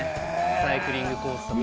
サイクリングコースとか。